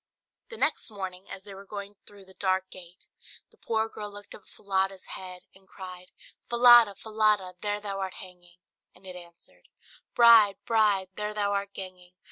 The next morning, as they were going through the dark gate, the poor girl looked up at Falada's head, and cried "Falada, Falada, there thou art hanging!" and it answered "Bride, bride, there thou art ganging!